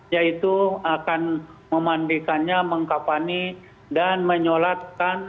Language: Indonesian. yaitu akan memandikannya mengkapani dan menyolatkan